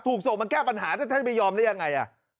ส่งมาแก้ปัญหาถ้าท่านไม่ยอมได้ยังไง